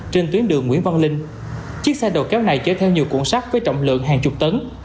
trên tuyến đường nguyễn văn linh chiếc xe đầu kéo này chở theo nhiều cuộn sắt với trọng lượng hàng chục tấn